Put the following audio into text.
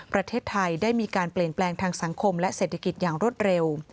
ประเทศไทยได้มีการเปลี่ยนแปลงทางสังคมและเศรษฐกิจอย่างรวดเร็ว